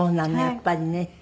やっぱりね。